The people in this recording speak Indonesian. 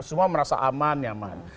semua merasa aman nyaman